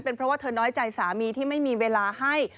เพราะว่าเธอน้อยใจสามีที่ไม่มีเวลาให้